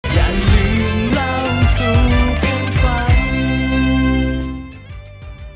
อย่าลืมเล่าสู่คนฟัง